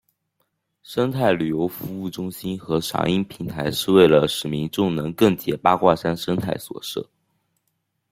生态旅游服务中心和赏鹰平台是为了使民众能更解八卦山生态所设。